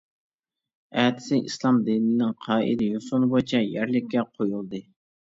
ئەتىسى ئىسلام دىنىنىڭ قائىدە-يوسۇنى بويىچە يەرلىككە قويۇلدى.